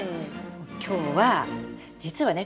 今日は実はね